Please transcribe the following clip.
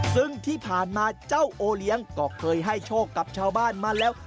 ซึ่งที่ผ่านมาเจ้าโอเลี้ยงก็เคยให้โชคกับชาวบ้านมาแล้ว